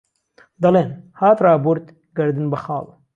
دهڵێن، هات رابوورد گهردنبهخاڵ